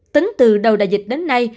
tính từ đầu đại dịch đến nay